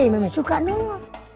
yang me me suka nih